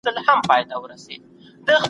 بریالي خلګ خپلي موخي یاد داشت کوي.